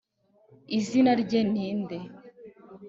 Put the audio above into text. izina rye ni nde